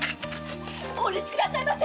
お許しくださいませ！